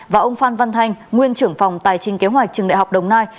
và ông phan văn thanh nguyên trưởng phòng tài chính kế hoạch trường đại học đồng nai